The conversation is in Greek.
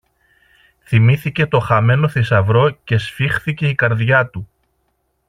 Θυμήθηκε το χαμένο θησαυρό και σφίχθηκε η καρδιά του.